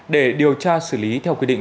để điều tra xử lý theo quy định